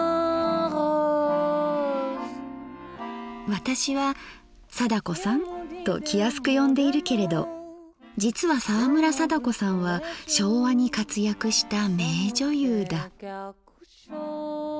私は「貞子さん」と気安く呼んでいるけれど実は沢村貞子さんは昭和に活躍した名女優だ。